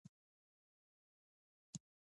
د یعقوب له واړه قوت سره مقاومت نه سو کولای.